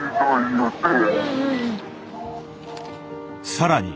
更に。